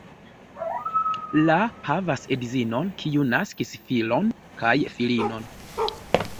La havas edzinon, kiu naskis filon kaj filinon.